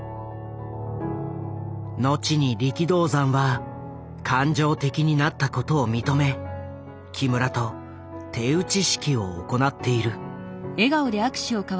後に力道山は感情的になったことを認め木村と手打ち式を行っている。